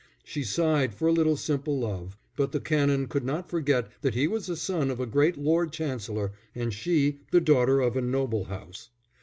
She sighed for a little simple love, but the Canon could not forget that he was a son of a great Lord Chancellor and she the daughter of a noble house.